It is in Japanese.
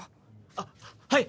あっはい！